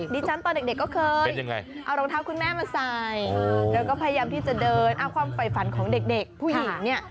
ตอนเด็กก็เคยเอารองเท้าคุณแม่มาใส่แล้วก็พยายามที่จะเดินเอาความฝ่ายฝันของเด็กผู้หญิงเนี่ย